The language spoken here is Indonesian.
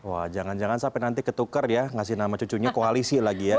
wah jangan jangan sampai nanti ketukar ya ngasih nama cucunya koalisi lagi ya